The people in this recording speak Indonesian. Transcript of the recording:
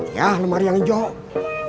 yah lemari yang hijau